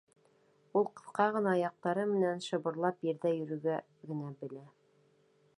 Ул ҡыҫҡа ғына аяҡтары менән шыбырлап ерҙә йөрөргә генә белә.